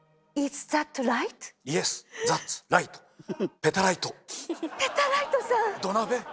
ペタライトさん！